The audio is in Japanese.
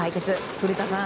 古田さん